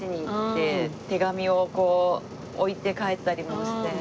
手紙をこう置いて帰ったりもして。